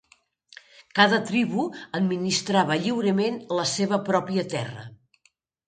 Cada tribu administrava lliurement la seva pròpia terra.